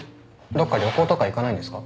どっか旅行とか行かないんですか？